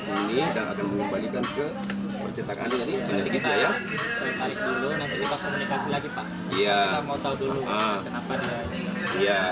ini sudah dikembalikan semua